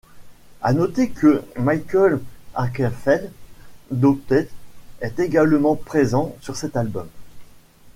À noter que Mikael Åkerfeldt d'Opeth est également présent sur cet album.